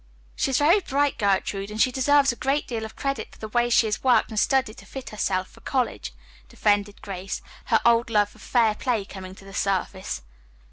"She is very bright, Gertrude, and she deserves a great deal of credit for the way she has worked and studied to fit herself for college," defended Grace, her old love of fair play coming to the surface.